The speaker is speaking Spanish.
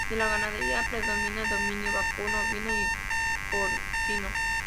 De la ganadería predomina el bovino, vacuno, ovino y porcino.